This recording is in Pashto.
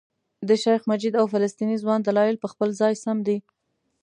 د شیخ مجید او فلسطیني ځوان دلایل په خپل ځای سم دي.